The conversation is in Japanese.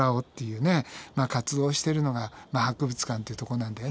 活動をしてるのが博物館っていうとこなんだよね。